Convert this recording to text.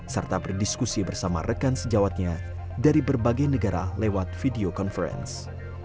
serta berdiskusi bersama rekan sejawatnya dari berbagai negara lewat video conference